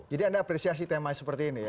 jadi anda apresiasi tema seperti ini ya